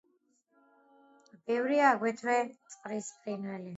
ბევრია აგრეთვე წყლის ფრინველი.